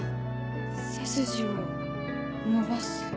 背筋を伸ばす？